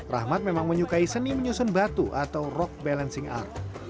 rahmat memang menyukai seni menyusun batu atau rock balancing art